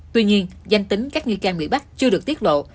tuy nhiên danh tính các nghi can bị bắt chưa được tiết lộ